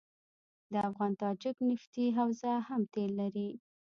د افغان تاجک نفتي حوزه هم تیل لري.